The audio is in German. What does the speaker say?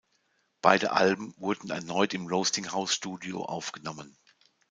Beide Alben wurden erneut im Roasting-House-Studio aufgenommen.